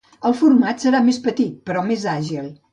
El format serà més petit, però més àgil.